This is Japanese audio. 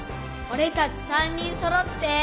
オレたち３人そろって。